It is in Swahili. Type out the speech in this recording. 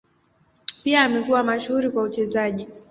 Pia amekuwa mashuhuri kwa uchezaji.